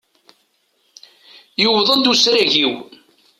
Yewweḍ-d usrag-iw.